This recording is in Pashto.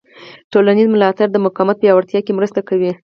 ټولنیز ملاتړ د مقاومت په پیاوړتیا کې مرسته کوي.